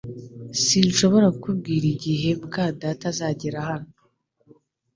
Sinshobora kukubwira igihe muka data azagera hano